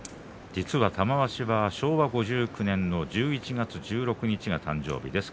実は玉鷲は昭和５９年の１１月１６日が誕生日です。